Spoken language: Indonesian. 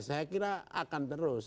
saya kira akan terus